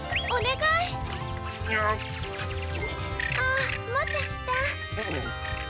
あもっとした。